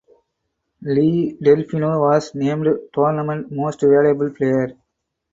Lee Delfino was named Tournament Most Valuable Player.